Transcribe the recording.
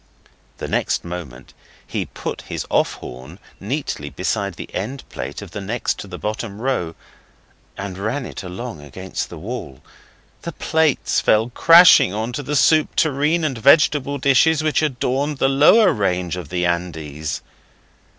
The next moment he put his off horn neatly behind the end plate of the next to the bottom row, and ran it along against the wall. The plates fell crashing on to the soup tureen and vegetable dishes which adorned the lower range of the Andes.